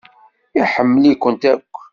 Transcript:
Iḥemmel-ikent akk.